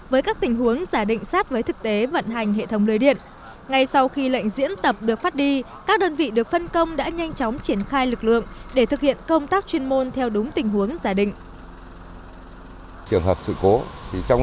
với các tình huống giả định sát với thực tế vận hành hệ thống lưới điện ngay sau khi lệnh diễn tập được phát đi các đơn vị được phân công đã nhanh chóng triển khai lực lượng để thực hiện công tác chuyên môn theo đúng tình huống giả định